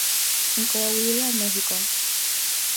En Coahuila, Mx.